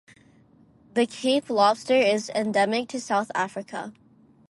The Cape lobster is endemic to South Africa.